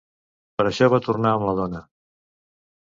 Per això va tornar amb la dona.